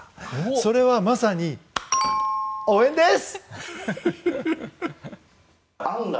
それはまさに応援です！